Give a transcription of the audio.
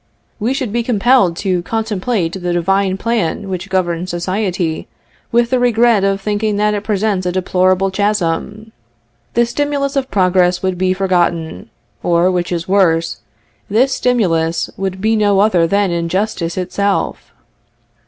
We should be compelled to contemplate the Divine plan which governs society, with the regret of thinking that it presents a deplorable chasm. The stimulus of progress would be forgotten, or, which is worse, this stimulus would be no other than injustice itself.